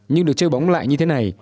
nhưng được chơi bóng lại như thế này